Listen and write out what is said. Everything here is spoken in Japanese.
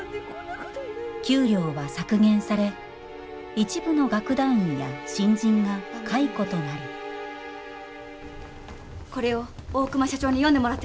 給料は削減され一部の楽団員や新人が解雇となりこれを大熊社長に読んでもらってください。